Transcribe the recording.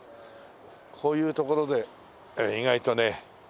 こういう所で意外とね。